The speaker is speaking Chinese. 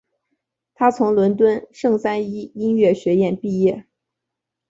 他从伦敦圣三一音乐学院毕业。